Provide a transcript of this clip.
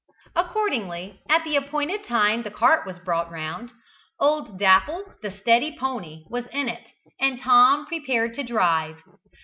Accordingly, at the appointed time the cart was brought round, old Dapple, the steady pony, was in it, and Tom prepared to drive.